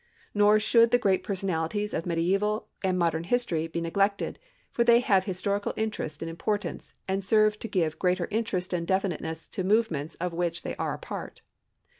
Nor should the great personalities of medieval and modern history be neglected, for they have historical interest and importance and serve to give greater interest and definiteness to movements of which they are a part.